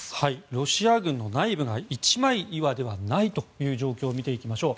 ロシア軍の内部が一枚岩ではないという状況を見ていきましょう。